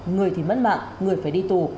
người thì mất mạng người phải đi tù